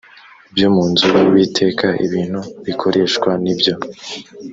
byo mu nzu y uwiteka ibintu bikoreshwa n ibyo